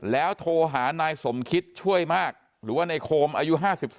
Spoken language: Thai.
แล้วโทรหานายสมคิดช่วยมากหรือว่าในโคมอายุ๕๓